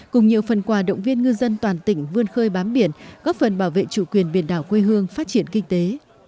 cùng nhiều phần quà động viên ngư dân toàn tỉnh vươn khơi bám biển góp phần bảo vệ chủ quyền biển đảo quê hương phát triển kinh tế